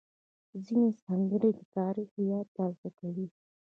ځینې سندرې د تاریخ یاد تازه کوي.